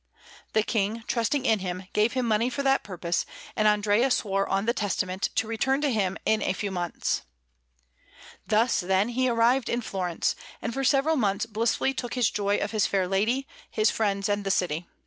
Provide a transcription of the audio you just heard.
The King, trusting in him, gave him money for that purpose; and Andrea swore on the Testament to return to him in a few months. Thus, then, he arrived in Florence, and for several months blissfully took his joy of his fair lady, his friends, and the city.